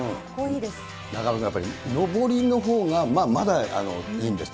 中丸君、やっぱり登りのほうがまだいいんですって。